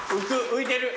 浮いてる。